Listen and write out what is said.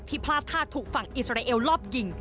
พลาดท่าถูกฝั่งอิสราเอลรอบยิง